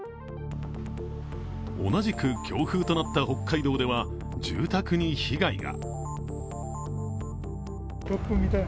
同じく強風となった北海道では住宅に被害が。